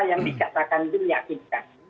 yang dicatatkan itu meyakinkan